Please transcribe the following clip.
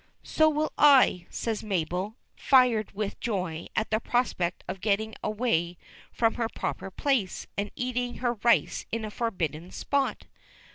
"So will I," says Mabel, fired with joy at the prospect of getting away from her proper place, and eating her rice in a forbidden spot.